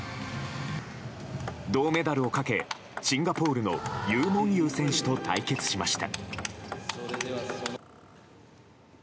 銅メダルをかけ、シンガポールのユー・モンユー選手と対決しました。